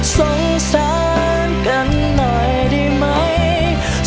สงสารกันหน่อยดีไหม